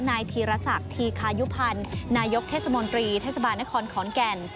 นายธีรศักดิ์ธีคายุพันธ์นายกเทศมนตรีเทศบาลนครขอนแก่น